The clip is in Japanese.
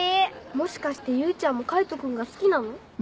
もしかして唯ちゃんも海斗君が好きなの？